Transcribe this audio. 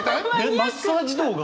マッサージ動画？